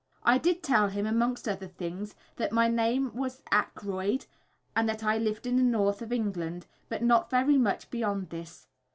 I did tell him, amongst other things, that my name was Aykroyd, and that I lived in the North of England, but not very much beyond this.